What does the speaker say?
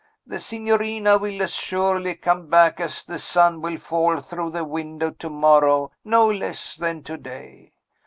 The signorina will as surely come back as the sun will fall through the window to morrow no less than to day.